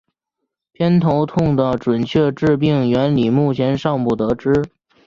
偏头痛的准确致病原理目前尚不得而知。